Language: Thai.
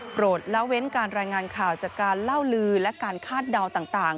ละเว้นการรายงานข่าวจากการเล่าลือและการคาดเดาต่าง